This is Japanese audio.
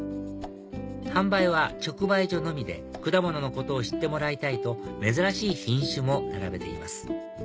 販売は直売所のみで果物のことを知ってもらいたいと珍しい品種も並べています